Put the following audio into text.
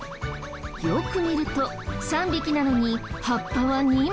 よく見ると３匹なのに葉っぱは２枚。